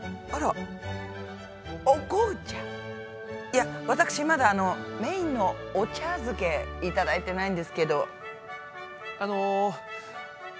いや私まだあのメインのお茶漬けいただいてないんですけど。